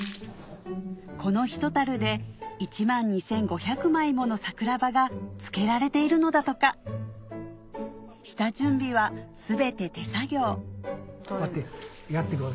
このひとたるで１万２５００枚もの桜葉が漬けられているのだとか下準備は全て手作業こうやってやってくわけ。